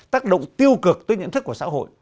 tác động tiêu cực tới nhận thức của xã hội